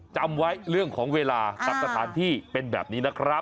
จำไว้เรื่องของเวลากับสถานที่เป็นแบบนี้นะครับ